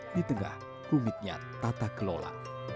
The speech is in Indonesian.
di tengah rumitnya tata kelola